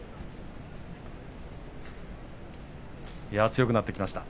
強くなってきました。